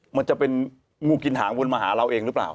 มันจะเป็นงูกินหางวนมาหาเราเองหรือเปล่า